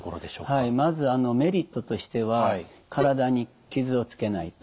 はいまずメリットとしては体に傷をつけない。